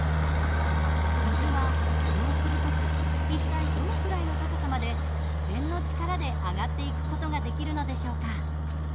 水は移動する時一体どのくらいの高さまで自然の力で上がっていく事ができるのでしょうか？